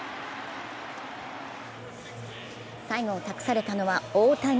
最後を託されたのは大谷。